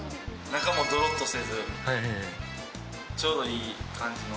中もどろっとせず、ちょうどいい感じの。